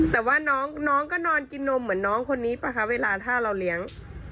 แต่ว่าน้องก็นอนกินนมเหมือนน้องคนนี้ป่ะคะเวลาถ้าเราเลี้ยง